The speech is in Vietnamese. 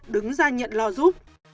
đứng ra nhận lo giúp